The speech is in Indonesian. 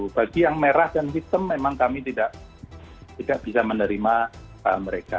bagi yang merah dan hitam memang kami tidak bisa menerima mereka